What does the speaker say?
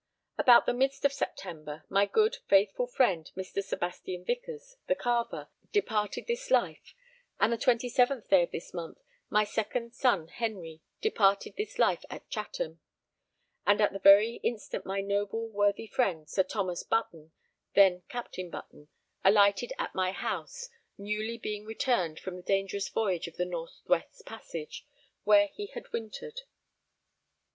About the midst of September, my good, faithful friend, Mr. Sebastian Vicars, the carver, departed this life; and the 27th day of this month my second son Henry departed this life at Chatham; and at the very instant my noble, worthy friend, Sir Thomas Button, then Captain Button, alighted at my house, newly being returned from the dangerous voyage of the North west Passage, where he had wintered.